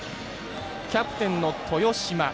キャプテンの豊島。